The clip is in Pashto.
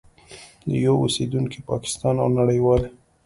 یو اوسېدونکی پاکستان او نړیوالي